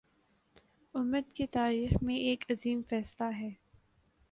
امت کی تاریخ میں ایک عظیم فیصلہ ہے